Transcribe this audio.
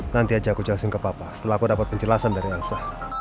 nanti aja aku jelasin ke papa setelah aku dapat penjelasan dari arsa